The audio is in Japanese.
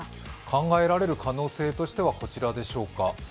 考えられる可能性としてはこちらでしょうか。